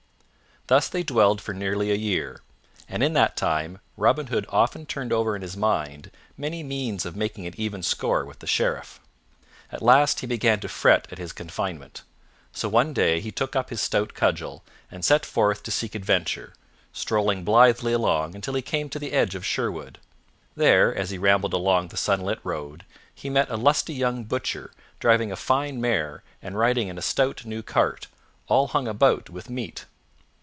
Thus they dwelled for nearly a year, and in that time Robin Hood often turned over in his mind many means of making an even score with the Sheriff. At last he began to fret at his confinement; so one day he took up his stout cudgel and set forth to seek adventure, strolling blithely along until he came to the edge of Sherwood. There, as he rambled along the sunlit road, he met a lusty young butcher driving a fine mare and riding in a stout new cart, all hung about with meat.